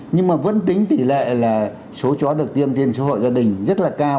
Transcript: nhưng mà vẫn tính tỷ lệ là số chó được tiêm trên xã hội gia đình rất là cao